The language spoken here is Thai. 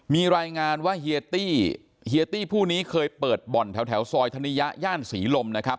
มีรายงานว่าเฮียตี้เฮียตี้ผู้นี้เคยเปิดบ่อนแถวซอยธนิยะย่านศรีลมนะครับ